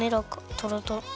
とろとろ！